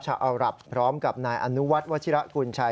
อารับพร้อมกับนายอนุวัฒน์วัชิระกุญชัย